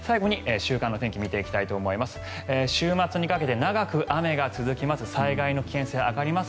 週末にかけて長く雨が続きます。